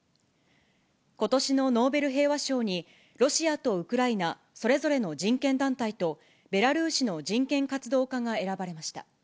ことしのノーベル平和賞に、ロシアとウクライナそれぞれの人権団体と、ベラルーシの人権活動家が選ばれました。